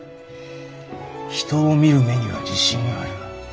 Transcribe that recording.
人を見る目には自信がある。